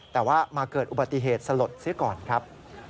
แต่ว่ามาเกิดอุบัติเหตุสลดเสียก่อนครับ